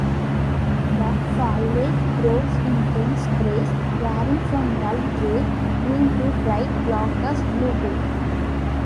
The foliage grows in dense sprays, varying from dull gray-green to bright glaucous blue-green.